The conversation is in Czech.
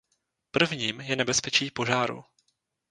Prvním je nebezpečí požáru.